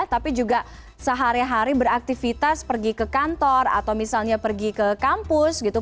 tapi juga sehari hari beraktivitas pergi ke kantor atau misalnya pergi ke kampus gitu